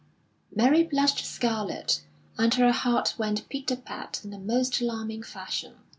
Mary blushed scarlet, and her heart went pit a pat in the most alarming fashion.